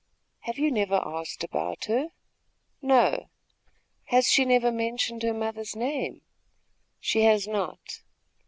"Have you never asked about her?" "No." "Has she never mentioned her mother's name?" "She has not."